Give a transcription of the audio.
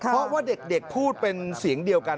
เพราะว่าเด็กพูดเป็นเสียงเดียวกัน